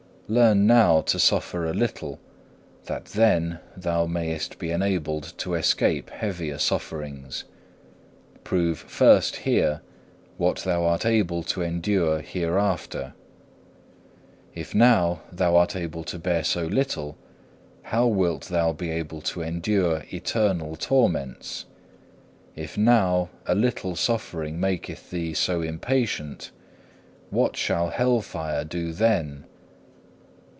Learn now to suffer a little, that then thou mayest be enabled to escape heavier sufferings. Prove first here, what thou art able to endure hereafter. If now thou art able to bear so little, how wilt thou be able to endure eternal torments? If now a little suffering maketh thee so impatient, what shall hell fire do then?